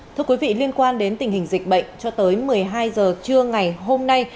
thưa quý vị liên quan đến tình hình dịch bệnh cho tới một mươi hai h trưa ngày hôm nay